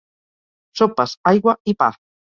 Sopes, aigua i pa.